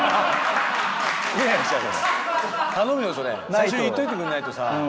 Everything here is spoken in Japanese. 最初に言っといてくんないとさ。